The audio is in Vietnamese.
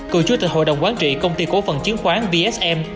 cựu chủ tịch hội đồng quán trị công ty cố phần chiến khoán vsm